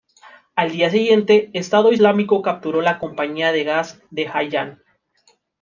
Al día siguiente, Estado Islámico capturó la Compañía de Gas de Hayyan.